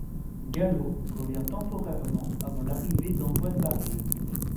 Gallo revient temporairement, avant l'arrivée d'Antoine Baril.